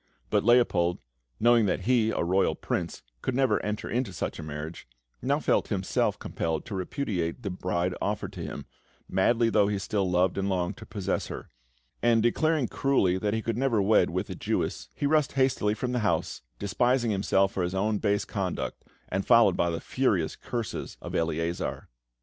But Leopold, knowing that he, a royal prince, could never enter into such a marriage, now felt himself compelled to repudiate the bride offered to him, madly though he still loved and longed to possess her; and, declaring cruelly that he could never wed with a Jewess, he rushed hastily from the house, despising himself for his own base conduct, and followed by the furious curses of Eleazar.